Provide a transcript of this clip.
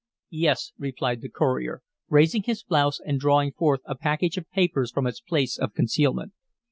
"Yes," replied the courier, raising his blouse and drawing forth a package of papers from its place of concealment.